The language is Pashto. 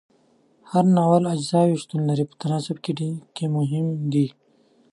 د هر ناول اجزاو شتون په تناسب کې مهم دی.